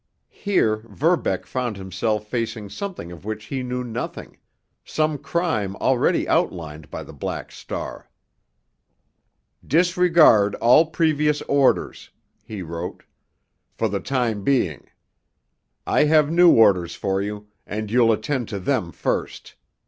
Here Verbeck found himself facing something of which he knew nothing, some crime already outlined by the Black Star. "Disregard all previous orders," he wrote, "for the time being. I have new orders for you, and you'll attend to them first.